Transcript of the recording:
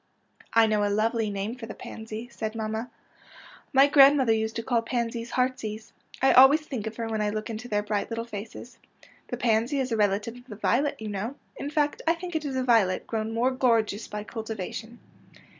'' I know a lovely name for the pansy," said manmia. '' My grandmother used to call pansies heartsease. I always think of her when I look into their bright little faces. '' The pansy is a relative of the violet, you know. In fact, I think it is a violet grown more gorgeous by cultivation."